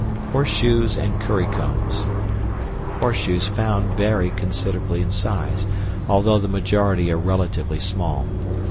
Horseshoes and Currycombs. Horseshoes found vary considerably in size, although the majority are relatively small.